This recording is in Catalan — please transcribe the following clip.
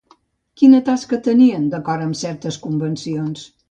Quina tasca tenien, d'acord amb certes convencions?